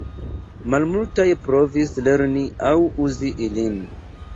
Malmultaj provis lerni aŭ uzi ilin.